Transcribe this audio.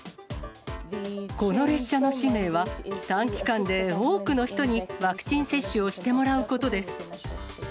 この列車の使命は、短期間で多くの人にワクチン接種をしてもらうことです。